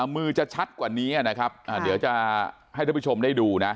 มือจะชัดกว่านี้นะครับเดี๋ยวจะให้ท่านผู้ชมได้ดูนะ